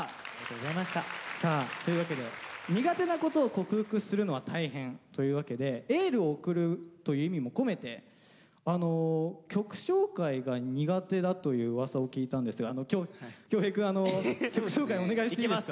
さあというわけで苦手なことを克服するのは大変というわけでエールを送るという意味も込めて曲紹介が苦手だといううわさを聞いたんですが今日恭平くんあの曲紹介お願いしていいですか？